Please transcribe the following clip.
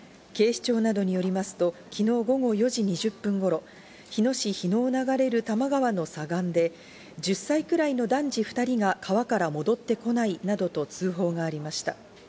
警視庁などによりますと、昨日午後４時２０分頃、日野市日野を流れる多摩川の左岸で、１０歳ぐらいの男児２人が川から戻ってこないなどと通報がありました。